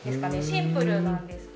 シンプルなんですけど。